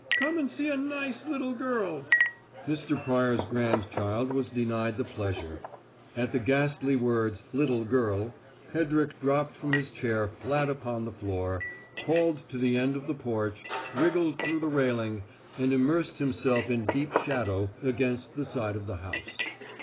Come and see a nice little girl!" Mr. Pryor's grandchild was denied the pleasure. At the ghastly words "little girl," Hedrick dropped from his chair flat upon the floor, crawled to the end of the porch, wriggled through the railing, and immersed himself in deep shadow against the side of the house.